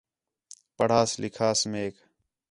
پڑھاس، لِکھاس میک